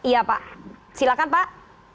ya pak silahkan pak